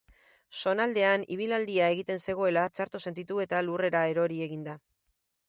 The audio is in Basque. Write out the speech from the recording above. Zonaldean ibilaldia egiten zegoela, txarto sentitu eta lurrera erori egin da.